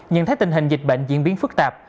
nhận thấy tình hình dịch bệnh diễn biến phức tạp